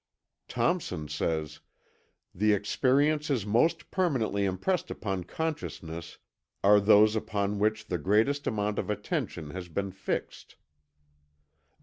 Thompson says: "The experiences most permanently impressed upon consciousness are those upon which the greatest amount of attention has been fixed."